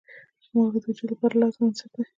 مالګه د وجود لپاره لازم عنصر دی.